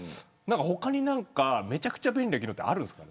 他に何かめちゃくちゃ便利な機能ってあるんですか。